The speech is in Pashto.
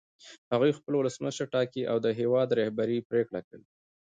هغوی خپل ولسمشر ټاکي او د هېواد رهبري پرېکړه کوي.